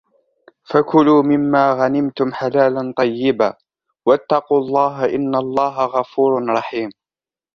فكلوا مما غنمتم حلالا طيبا واتقوا الله إن الله غفور رحيم